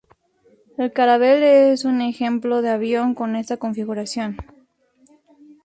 El Caravelle es un ejemplo de avión con esta configuración.